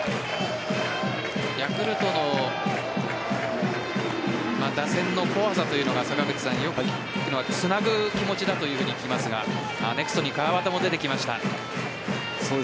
ヤクルトの打線の怖さというのがよく聞くのはつなぐ気持ちだと聞きますがネクストに川端も出てきました。